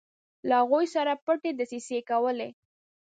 له هغوی سره پټې دسیسې کولې.